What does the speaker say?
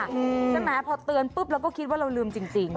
ใช่ไหมพอเตือนปุ๊บเราก็คิดว่าเราลืมจริง